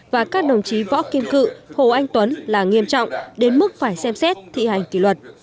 và các đồng chí võ kim cự hồ anh tuấn là nghiêm trọng đến mức phải xem xét thi hành kỷ luật